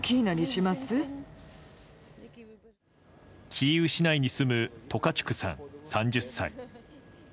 キーウ市内に住むトカチュクさん、３０歳。